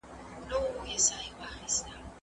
پانګوال به په دوامداره توګه خپلې پانګې زياتوي.